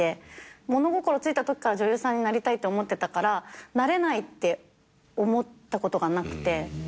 物心ついたときから女優さんになりたいと思ってたからなれないって思ったことがなくて。